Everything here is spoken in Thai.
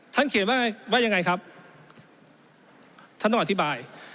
เขียนว่ายังไงครับท่านต้องอธิบาย